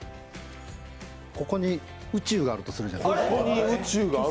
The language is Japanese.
ここに宇宙があるとするじゃないですか。